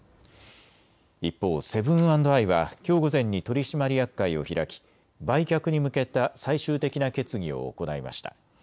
一方、セブン＆アイはきょう午前に取締役会を開き、売却に向けた最終的な決議を行いました。